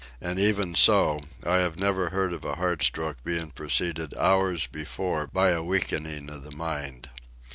And even so, I have never heard of a heart stroke being preceded hours before by a weakening of the mind.